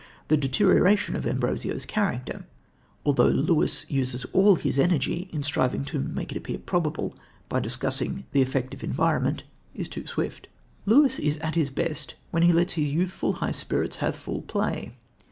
The deterioration in Ambrosio's character though Lewis uses all his energy in striving to make it appear probable by discussing the effect of environment is too swift. Lewis is at his best when he lets his youthful, high spirits have full play.